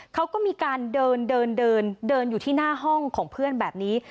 เขาก็มีการเดินเดินอยู่ที่หน้าห้องของเพื่อนแบบนี้